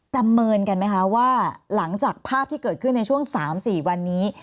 ประเมินกันไหมคะว่าหลังจากภาพที่เกิดขึ้นในช่วง๓๔วันนี้